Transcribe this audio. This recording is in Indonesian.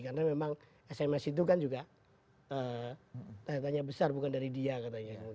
karena memang sms itu kan juga tanya tanya besar bukan dari dia katanya